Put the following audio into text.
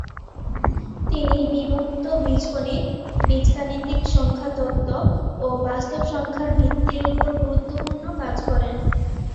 তিনি বিমূর্ত বীজগণিত, বীজগাণিতিক সংখ্যাতত্ত্ব ও বাস্তব সংখ্যার ভিত্তির ওপর গুরুত্বপূর্ণ কাজ করেন।